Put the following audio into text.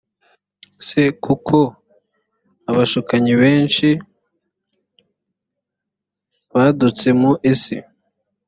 s kuko abashukanyi benshi badutse mu isi